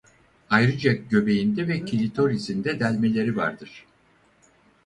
Ayrıca göbeğinde ve klitorisinde delmeleri vardır.